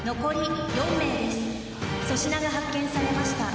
粗品が発見されました。